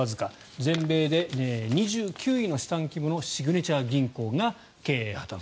全米で２９位の資産規模のシグネチャー銀行が経営破たん。